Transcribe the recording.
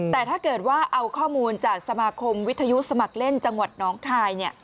แต่ถ้าเกิดว่าเอาข้อมูลจากสมาคมวิทยุสมัครเล่นจังหวัดน้องคาย